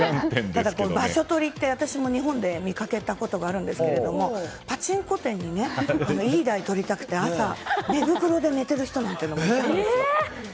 ただ、場所取りって私も日本で見かけたことがあるんですけどパチンコ店にいい台をとりたくて朝、寝袋で寝てる人なんていう人もいます。